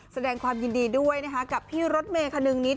แสดงความยินดีด้วยนะคะกับพี่รถเมย์คนึงนิด